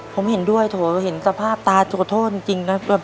ผมเห็นด้วยเห็นสภาพตาโทษโทษจริงนะ